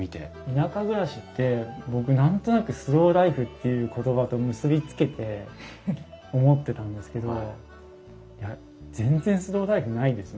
田舎暮らしって僕何となくスローライフっていう言葉と結び付けて思ってたんですけど全然スローライフないですね。